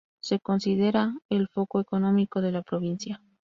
Se considera el foco económico de la provincia.